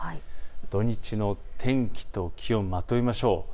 土日の天気と気温をまとめましょう。